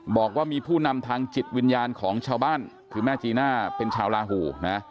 บอกว่ามีผู้นำทางจิตวิญญาณของชาวบ้านคือแม่จีน่าเป็นชาวลาหูนะ